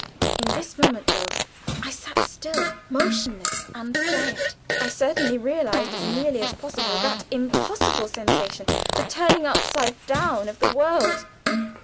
In this moment, though I sat still, motionless, and quiet, I certainly realized as nearly as possible that impossible sensation, the turning upside down of the world.